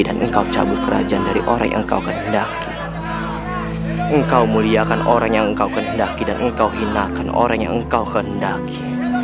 dan engkau hinakan orang yang engkau kendaki